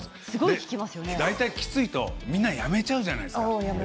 大体きついとみんなやめちゃうじゃないですか。